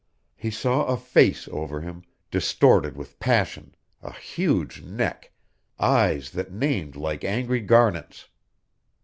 He saw a face over him, distorted with passion, a huge neck, eyes that named like angry garnets.